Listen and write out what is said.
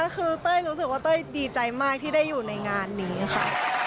คือเต้ยรู้สึกว่าเต้ยดีใจมากที่ได้อยู่ในงานนี้ค่ะ